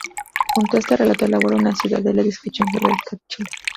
Junto a este relato elabora una cuidada descripción geográfica de Chile.